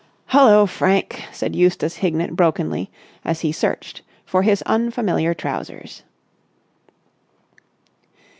'" "'Hullo, Frank,'" said Eustace Hignett brokenly as he searched for his unfamiliar trousers.